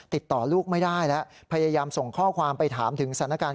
ติดต่อลูกไม่ได้แล้วพยายามส่งข้อความไปถามถึงสถานการณ์